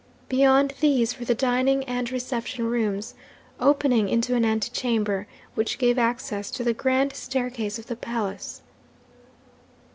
Beyond these were the dining and reception rooms, opening into an antechamber, which gave access to the grand staircase of the palace.